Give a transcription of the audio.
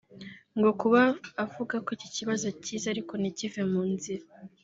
ngo kuba avuga ko iki kibazo akizi ariko ntikive mu nzira